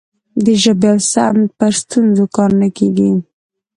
د ژبې او سمت پر ستونزو کار نه کیږي.